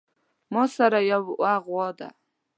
ماسره يوه غوا ده